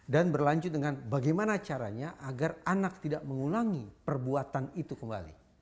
dan berlanjut dengan bagaimana caranya agar anak tidak mengulangi perbuatan itu kembali